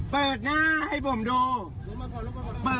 เปิดหน้าให้ผมดู